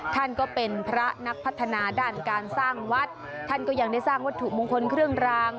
ท่านก็เป็นพระนักพัฒนาด้านการสร้างวัดท่านก็ยังได้สร้างวัตถุมงคลเครื่องราง